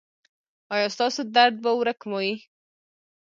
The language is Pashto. ایا ستاسو درد به ورک وي؟